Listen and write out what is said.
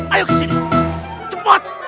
ayo kesini cepat